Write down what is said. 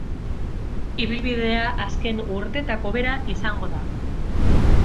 Ibilbidea azken urteetako bera izango da.